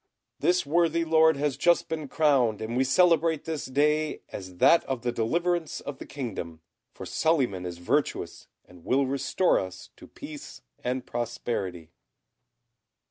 This worthy Lord has just been crowned, and we celebrate this day as that of the deliverance of the kingdom; for Suliman is virtuous, and will restore to us peace and prosperity."